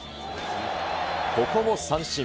ここも三振。